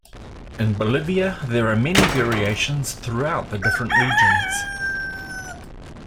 In Bolivia, there are many variations throughout the different regions.